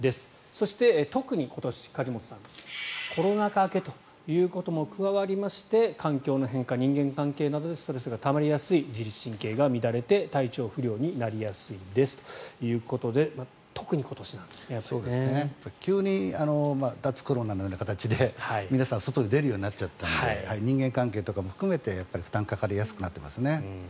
そして、特に今年、梶本さんコロナ禍明けということも加わって環境の変化、人間関係などでストレスがたまりやすい自律神経が乱れて体調不良になりやすいんですということで急に脱コロナという形で皆さん外に出るようになっちゃったので人間関係なども含めて負担がかかりやすくなっていますね。